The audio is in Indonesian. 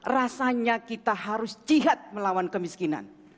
rasanya kita harus jihad melawan kemiskinan